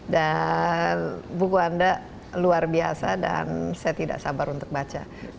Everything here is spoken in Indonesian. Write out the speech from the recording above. dan buku anda luar biasa dan saya tidak sabar untuk baca buku buku yang berikutnya